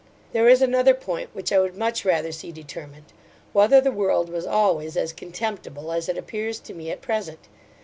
There is another point, which I would much rather see determined; whether the world was always as contemptible, as it appears to me at present?